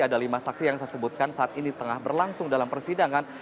ada lima saksi yang saya sebutkan saat ini tengah berlangsung dalam persidangan